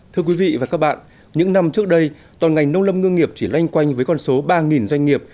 thưa quý vị và các bạn những năm trước đây toàn ngành nông lâm ngư nghiệp chỉ lanh quanh với con số ba doanh nghiệp